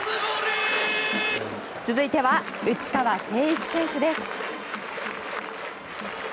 続いては、内川聖一選手です。